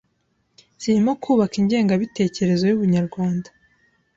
zirimo kubaka ingengabitekerezo y’Ubunyarwanda,